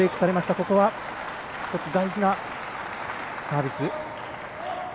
ここは、１つ大事なサービス。